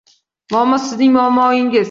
Muammo sizning muammoingiz